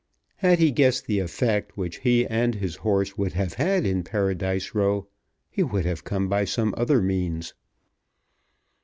Had he guessed the effect which he and his horse would have had in Paradise Row he would have come by some other means.